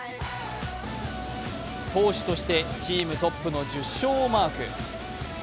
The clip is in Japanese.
投手としてチームトップの１０勝をマーク。